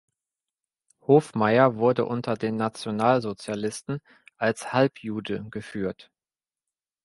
Hofmeier wurde unter den Nationalsozialisten als Halbjude geführt.